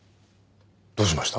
どうしました？